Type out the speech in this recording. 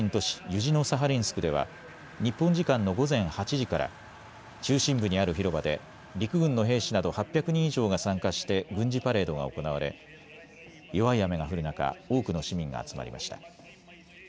ユジノサハリンスクでは日本時間の午前８時から中心部にある広場で陸軍の兵士など８００人以上が参加して軍事パレードが行われ弱い雨が降る中、多くの市民が集まりました。